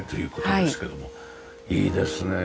いいですね。